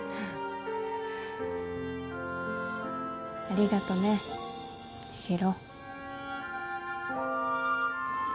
ありがとね千尋。